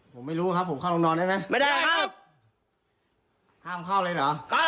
ไปล่ะผมเข้าลงนอนแล้วได้ไหม